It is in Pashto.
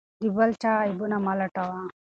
د بل چا عیبونه مه لټوه.